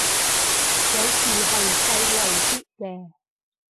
有時係細路啲嘅